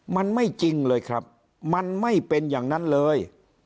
มันไม่จริงเลยครับมันไม่เป็นอย่างนั้นเลย